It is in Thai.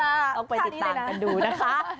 จ้ะภาคนี้ด้วยนะต้องไปติดตามกันดูนะคะต้องไปติดตามกันดูนะคะ